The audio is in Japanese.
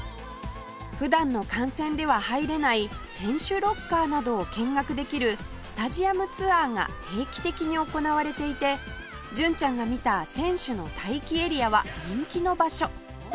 普段の観戦では入れない選手ロッカーなどを見学できるスタジアムツアーが定期的に行われていて純ちゃんが見た選手の待機エリアは人気の場所